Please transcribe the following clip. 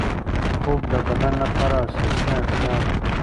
خوب د بدن لپاره اساسي اړتیا ده.